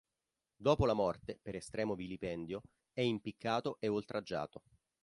Dopo la morte, per estremo vilipendio, è impiccato e oltraggiato.